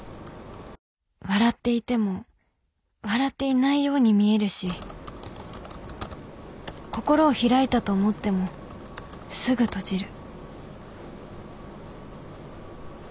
笑っていても笑っていないように見えるし心を開いたと思ってもすぐ閉じる